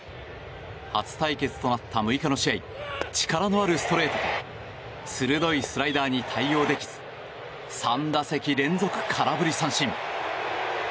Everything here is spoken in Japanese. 初対決となった６日の試合力のあるストレートと鋭いスライダーに対応できず３打席連続空振り三振。